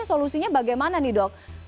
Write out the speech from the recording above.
fokusnya bagaimana nih dok